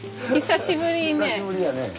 久しぶりやね。